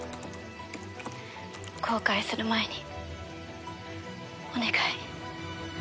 後悔する前にお願い。